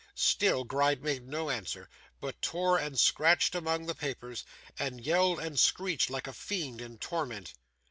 Still Gride made no answer, but tore and scratched among the papers, and yelled and screeched like a fiend in torment.